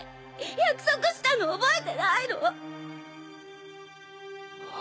約束したの覚えてないの！？